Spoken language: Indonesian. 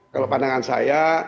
kalau pandangan saya